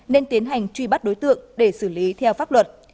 nên tiến hành truy bắt đối tượng để xử lý theo pháp luật